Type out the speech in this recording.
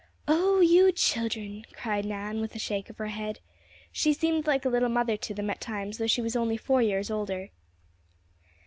"Oh, you children!" cried Nan, with a shake of her head. She seemed like a little mother to them at times, though she was only four years older.